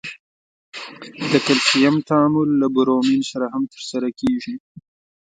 د کلسیم تعامل له برومین سره هم ترسره کیږي.